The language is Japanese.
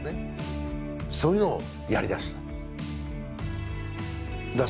そういうのをやりだしたんです。